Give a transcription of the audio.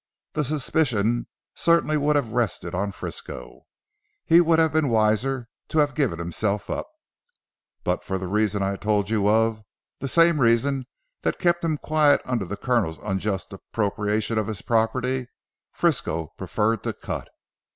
The suspicion certainly would have rested on Frisco. He would have been wiser to have given himself up. But for the reasons I told you of the same reasons that kept him quiet under the Colonel's unjust appropriation of his property Frisco preferred to cut.